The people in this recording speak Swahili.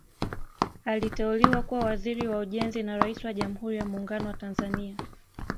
Aliteuliwa kuwa Waziri wa Ujenzi na Rais wa Jamhuri ya Muungano wa Tanzania